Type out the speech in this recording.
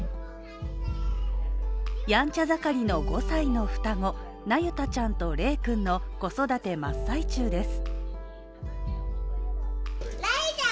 やんちゃ盛りの５歳の双子なゆたちゃんとれいくんの子育て真っ最中です